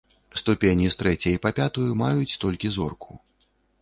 Ступені з трэцяй па пятую маюць толькі зорку.